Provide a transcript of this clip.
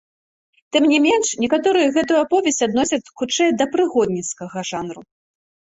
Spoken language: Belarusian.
Тым не менш некаторыя гэтую аповесць адносяць хутчэй да прыгодніцкага жанру.